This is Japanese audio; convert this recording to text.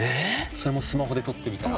それもスマホで撮ってみたら。